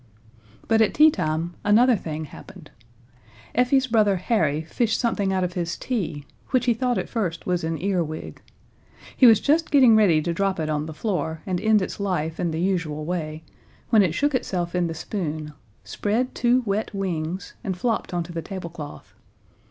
But at teatime another thing happened. Effie's brother Harry fished something out of his tea, which he thought at first was an earwig. He was just getting ready to drop it on the floor, and end its life in the usual way, when it shook itself in the spoon spread two wet wings, and flopped onto the tablecloth.